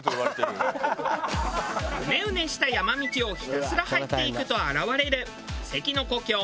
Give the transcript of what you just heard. うねうねした山道をひたすら入っていくと現れる。